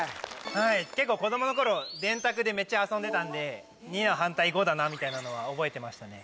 はい結構子供の頃電卓でメッチャ遊んでたんで２の反対５だなみたいなのは覚えてましたね